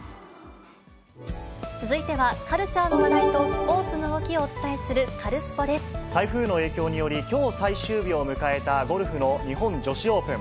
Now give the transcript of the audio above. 続いてはカルチャーの話題とスポーツの動きをお伝えするカル台風の影響により、きょう最終日を迎えたゴルフの日本女子オープン。